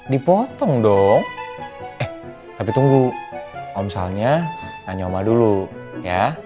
dipotong dong eh tapi tunggu om salnya nanya oma dulu ya